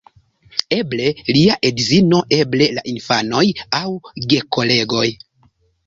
Eble lia edzino, eble la infanoj aŭ gekolegoj.